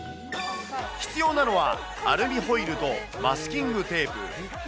必要なのは、アルミホイルとマスキングテープ。